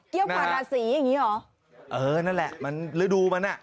เกี่ยวกว่าดาสีอย่างงี้หรอเออนั่นแหละมันฤดูมันอ่ะ